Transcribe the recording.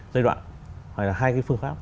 giai đoạn hoặc là hai cái phương pháp